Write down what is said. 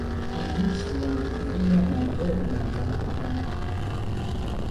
wananchi wanaathiriwa na dhoruba za baharini